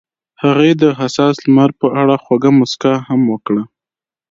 هغې د حساس لمر په اړه خوږه موسکا هم وکړه.